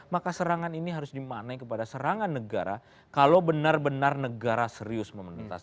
maka serangan ini harus dimaknai kepada serangan negara kalau benar benar negara serius memenuhi tas